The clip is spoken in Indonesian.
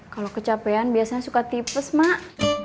kalo kecapean biasanya suka tipes mbak